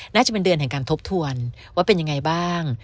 น่าจะเป็นเดือนแห่งการทบทวนว่าเป็นยังไงบ้าง